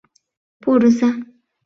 — Пурыза!